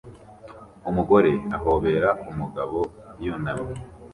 Umugore ahobera umugabo yunamye